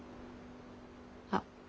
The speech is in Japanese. あっ。